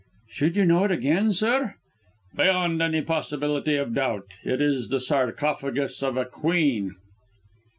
"Should you know it again, sir?" "Beyond any possibility of doubt. It is the sarcophagus of a queen."